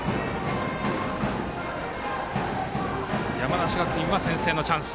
山梨学院は先制のチャンス。